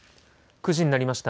９時になりました。